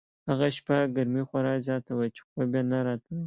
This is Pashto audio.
هغه شپه ګرمي خورا زیاته وه چې خوب یې نه راته.